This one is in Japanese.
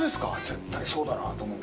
絶対そうだなと思って。